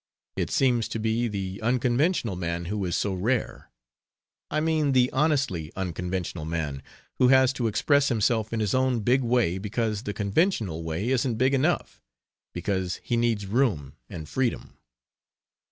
It seems to be the unconventional man who is so rare I mean the honestly unconventional man, who has to express himself in his own big way because the conventional way isn't big enough, because ne needs room and freedom.